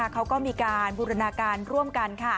เขาก็มีการบูรณาการร่วมกัน